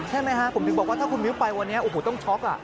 ใช่ไหมฮะผมถึงบอกว่าถ้าคุณมิ้วไปวันนี้โอ้โหต้องช็อก